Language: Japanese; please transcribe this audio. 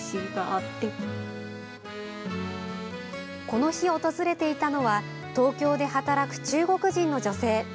この日、訪れていたのは東京で働く中国人の女性。